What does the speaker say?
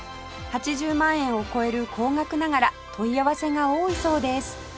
８０万円を超える高額ながら問い合わせが多いそうです